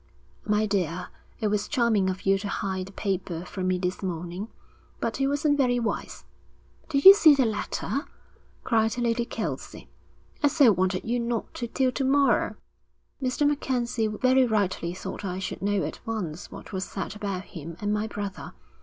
'My dear, it was charming of you to hide the paper from me this morning. But it wasn't very wise.' 'Did you see that letter?' cried Lady Kelsey. 'I so wanted you not to till to morrow.' 'Mr. MacKenzie very rightly thought I should know at once what was said about him and my brother.